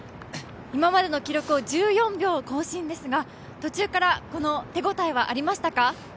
今までの記録を１４秒更新ですが、途中から手応えはありましたか？